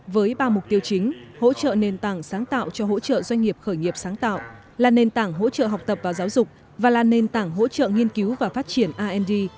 với ba mục tiêu chính hỗ trợ nền tảng sáng tạo cho hỗ trợ doanh nghiệp khởi nghiệp sáng tạo là nền tảng hỗ trợ học tập vào giáo dục và là nền tảng hỗ trợ nghiên cứu và phát triển rd